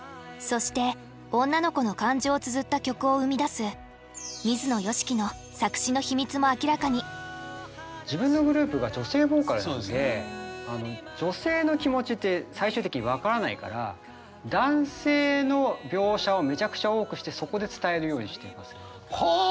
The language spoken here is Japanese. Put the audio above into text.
そして女の子の感情をつづった曲を生み出す自分のグループが女性ボーカルなんで女性の気持ちって最終的に分からないから男性の描写をめちゃくちゃ多くしてそこで伝えるようにしています。